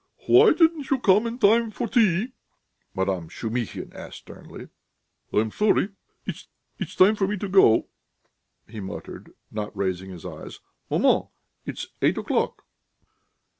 "Why didn't you come in in time for tea?" Madame Shumihin asked sternly. "I am sorry, it's ... it's time for me to go," he muttered, not raising his eyes. "Maman, it's eight o'clock!"